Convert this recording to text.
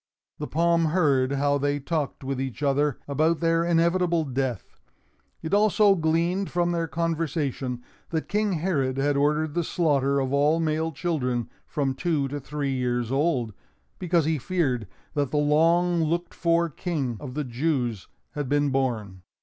The palm heard how they talked with each other about their inevitable death. It also gleaned from their conversation that King Herod had ordered the slaughter of all male children from two to three years old, because he feared that the long looked for King of the Jews had been born.